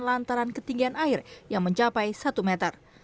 lantaran ketinggian air yang mencapai satu meter